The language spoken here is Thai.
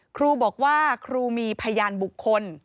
ครูบอกว่าครูมีพยานบุคคล